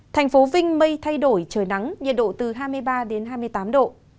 thành phố vinh mây thay đổi trời nắng nhiệt độ từ hai mươi ba đến hai mươi tám độ